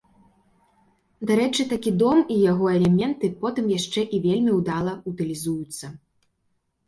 Дарэчы, такі дом і яго элементы потым яшчэ і вельмі ўдала ўтылізуюцца.